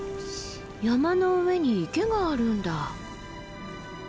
山の上に池があるんだ。